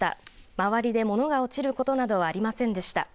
周りで物が落ちることなどはありませんでした。